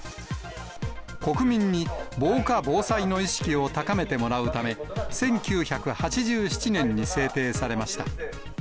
国民に防火・防災の意識を高めてもらうため、１９８７年に制定されました。